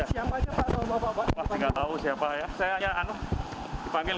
itu udah kok saya rapat pak lagi ada apa pak balik ke istana